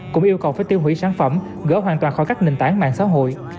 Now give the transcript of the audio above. cũng yêu cầu phải tiêu hủy sản phẩm gỡ hoàn toàn khỏi các nền tảng mạng xã hội